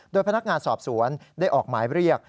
โดยพนักงานสอบสวนได้ออกหมายเรียก